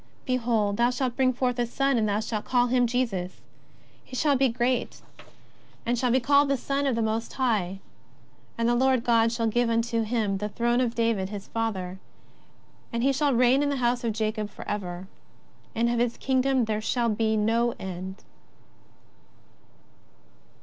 Behold, thou shalt bring forth a Son, and thou shalt call His name Jesus. He shall be great and shall be 4 53 54 JESUS OF NAZ^VKETH. called the Son of the Most High, and the Lord God shall give unto Him the throne of David His father, and He shall reign in the house of Jacob forever, and of His kingdom there shall be no end."